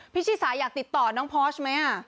ชิสาอยากติดต่อน้องพอร์ชไหม